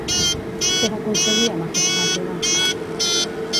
Què va concedir a Mahishàsura?